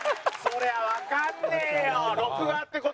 そりゃわかんねえよ！